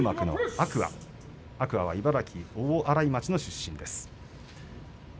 天空海、茨城大洗町の出身です。